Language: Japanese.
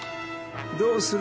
どうする？